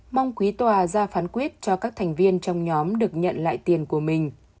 mong quý tòa ra phán quyết cho các thành viên trong nhóm được nhận lại tiền của mình